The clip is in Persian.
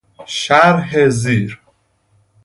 شرح زیر